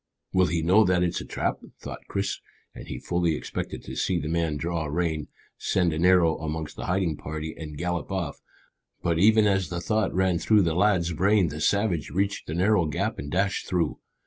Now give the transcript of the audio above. "Will he know that it is a trap?" thought Chris, and he fully expected to see the man draw rein, send an arrow amongst the hiding party, and gallop off. But even as the thought ran through the lad's brain the savage reached the narrow gap and dashed through.